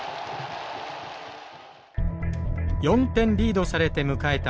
４点リードされて迎えた